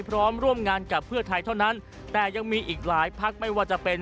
พร้อมร่วมงานกับเพื่อไทยเท่านั้นแต่ยังมีอีกหลายพักไม่ว่าจะเป็น